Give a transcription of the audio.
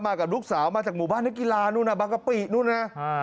กับลูกสาวมาจากหมู่บ้านนักกีฬานู่นน่ะบางกะปินู่นนะ